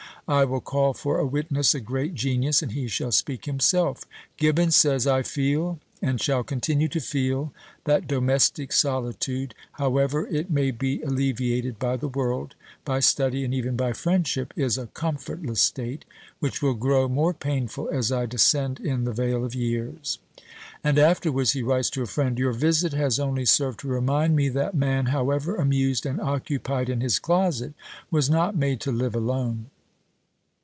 I will call for a witness a great genius, and he shall speak himself. Gibbon says, "I feel, and shall continue to feel, that domestic solitude, however it may be alleviated by the world, by study, and even by friendship, is a comfortless state, which will grow more painful as I descend in the vale of years." And afterwards he writes to a friend, "Your visit has only served to remind me that man, however amused and occupied in his closet, was not made to live alone."